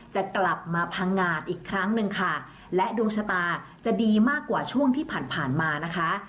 จะกลับมาพังงานอีกครั้งหนึ่งค่ะและดวงชะตาจะดีมากกว่าช่วงที่ผ่านมานะคะ